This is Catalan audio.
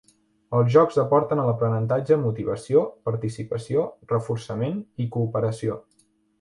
Els jocs aporten a l'aprenentatge motivació, participació, reforçament, i cooperació.